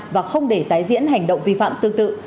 và không để tái diễn hành động vi phạm tương tự